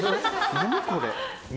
何これ？